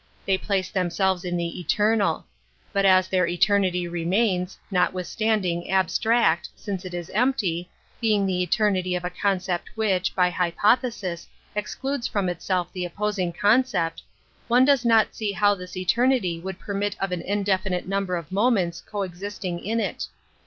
They place themselves in the eternal. But as their eternity remains, notwithstanding, abstract, since it is empty, being the eternity of a concept which, by hypothesis, excludes from itself the opposing concept, one does not see how this eternity would permit of an indefinite number of moments coexisting in it.